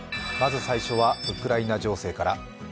まず最初はウクライナ情勢から。